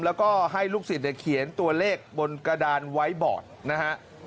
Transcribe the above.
แล้วก็ให้ลูกศิษย์เขียนตัวเลขบนกระดานไว้บอดนะฮะ